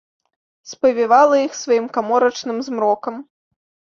Спавівала іх сваім каморачным змрокам.